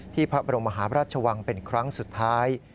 พระบรมหาพระราชวังเป็นครั้งสุดท้าย